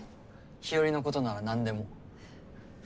日和のことならなんでも。